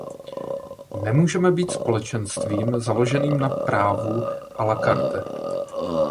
Nemůžeme být Společenstvím založeným na právu à la carte.